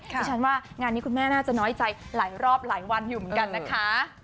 ดิฉันว่างานนี้คุณแม่น่าจะน้อยใจหลายรอบหลายวันอยู่เหมือนกันนะคะ